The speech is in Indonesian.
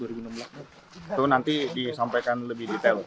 itu nanti disampaikan lebih detail